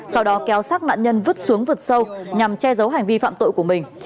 sau đó kéo sát nạn nhân vứt xuống vực sâu nhằm che giấu hành vi phạm tội của mình